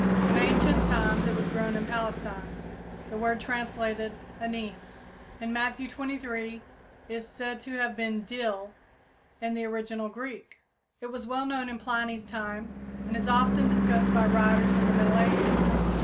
In ancient times it was grown in Palestine. The word translated, "anise" in Matthew xxiii, 23, is said to have been "dill" in the original Greek. It was well known in Pliny's time, and is often discussed by writers in the middle ages.